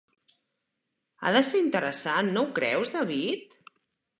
Ha de ser interessant, no ho creus, David?